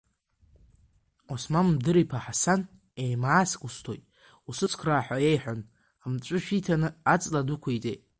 Осман Мдыр-иԥа Ҳасан, еимаасак усҭоит, усыцхраа ҳәа иеиҳәан, амҵәышә иҭаны аҵла дықәиҵеит…